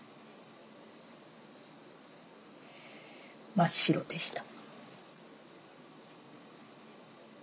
真っ白でした。